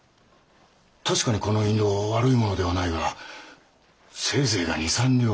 確かにこの印籠悪い物ではないがせいぜいが２３両。